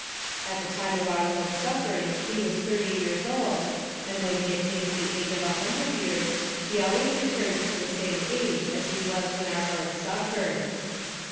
At the time of our Lord's suffering he was thirty years old, and when he attains the age of a hundred years, he always returns to the same age as he was when our Lord suffered.